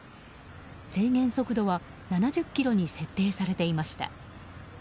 制限速度は７０キロに設定されていました。